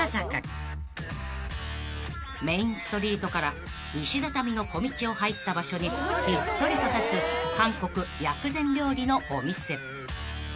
［メインストリートから石畳の小道を入った場所にひっそりと立つ韓国薬膳料理のお店］